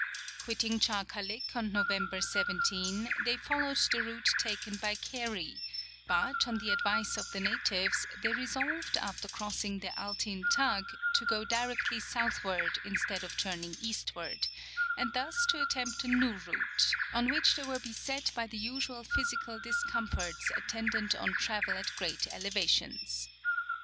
Quitting Tcharkalik on November 17, they followed the route taken by Carey ; but on the advice of the natives they resolved after crossing the Alt5''n tagh to go directly southward instead of turning eastward, and thus to attempt a new route, on which they were beset by the usual physical discomforts attendant on travel at great elevations.